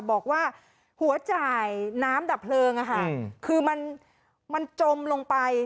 บอกว่าหัวจ่ายน้ำดับเพลิงคือมันจมลงไป